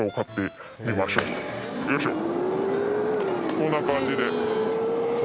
こんな感じで。